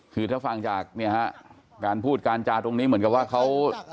คือถ้าฟังจากเนี่ยฮะการพูดการจาตรงนี้เหมือนกับว่าเขา